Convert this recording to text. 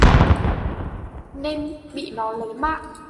Nên bị nó lấy mạng